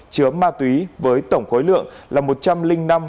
chứa ma túy với tổng khối lượng là một trăm linh năm sáu trăm sáu mươi hai gram